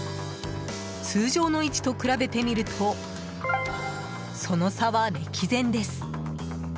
通常の位置と比べてみるとその差は歴然です。